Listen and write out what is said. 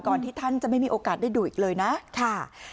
ที่ท่านจะไม่มีโอกาสได้ดูอีกเลยนะค่ะ